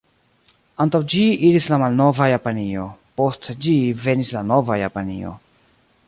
Antaŭ ĝi iris la malnova Japanio; post ĝi venis la nova Japanio.